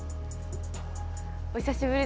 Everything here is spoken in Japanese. お久しぶりです。